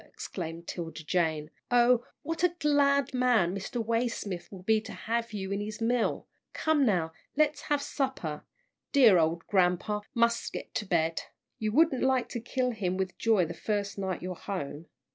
exclaimed 'Tilda Jane. "Oh, what a glad man Mr. Waysmith will be to have you in his mill! Come now, let's have supper. Dear ole grampa mus' get to bed. You wouldn't like to kill him with joy the first night you're home."